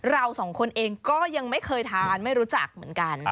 เราสองคนเองก็ยังไม่เคยทานไม่รู้จักเหมือนกัน